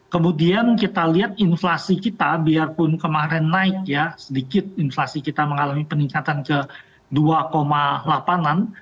kemudian kita lihat inflasi kita biarpun kemarin naik ya sedikit inflasi kita mengalami peningkatan ke dua delapan an